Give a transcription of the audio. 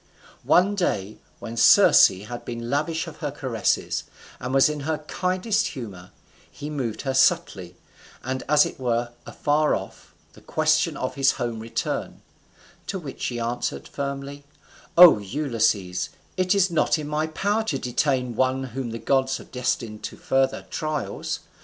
One day when Circe had been lavish of her caresses, and was in her kindest humour, he moved her subtly, and as it were afar off, the question of his home return; to which she answered firmly, "O Ulysses, it is not in my power to detain one whom the gods have destined to further trials.